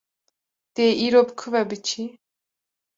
Tu yê îro bi ku ve biçî?